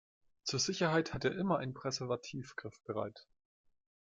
Zur Sicherheit hat er immer ein Präservativ griffbereit.